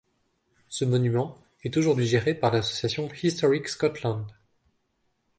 Ce monument est aujourd'hui géré par l'association Historic Scotland.